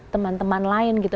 teman teman lain gitu